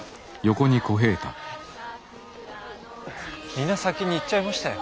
皆先に行っちゃいましたよ。